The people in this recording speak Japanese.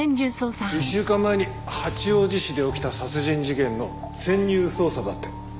１週間前に八王子市で起きた殺人事件の潜入捜査だって。